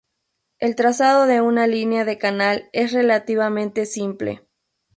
El trazado de una línea de canal es relativamente simple.